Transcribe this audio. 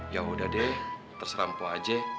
ya udah deh terserah empoh aja